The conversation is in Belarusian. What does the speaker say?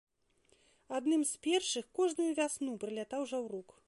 Адным з першых кожную вясну прылятаў жаўрук.